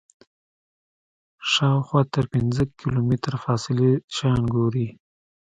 شاوخوا تر پنځه کیلومتره فاصلې شیان ګوري.